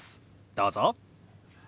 どうぞ。